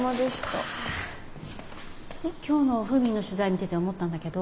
今日のフーミンの取材見てて思ったんだけど。